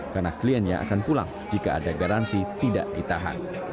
karena kliennya akan pulang jika ada garansi tidak ditahan